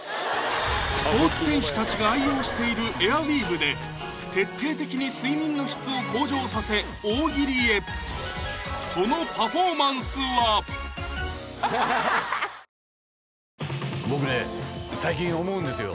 スポーツ選手たちが愛用しているエアウィーヴで徹底的に睡眠の質を向上させ大喜利へその僕ね最近思うんですよ。